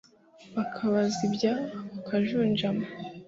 bakabazibya bakajunjama